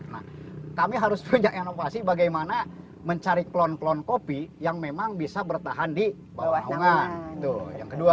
nah kami harus punya inovasi bagaimana mencari klon klon kopi yang memang bisa bertahan di bawah naungan